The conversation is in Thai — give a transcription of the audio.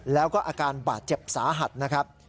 แล้วก็อาการบาดเจ็บสาหัสนะครับ